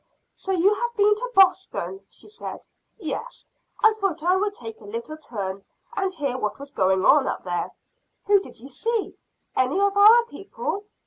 "So you have been to Boston?" she said. "Yes, I thought I would take a little turn and hear what was going on up there." "Who did you see any of our people?"